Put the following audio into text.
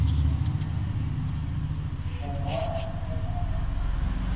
Son conocidos como falsos dientes de sable.